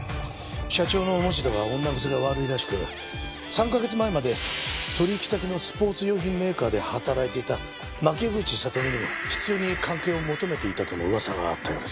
社長の持田は女癖が悪いらしく３カ月前まで取引先のスポーツ用品メーカーで働いていた牧口里美にも執拗に関係を求めていたとの噂があったようです。